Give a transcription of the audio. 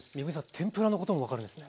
天ぷらのことも分かるんですね。